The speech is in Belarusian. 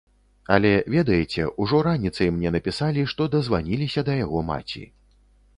Але ведаеце, ужо раніцай мне напісалі, што дазваніліся да яго маці.